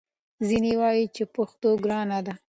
ځینې وايي چې پښتو ګرانه ده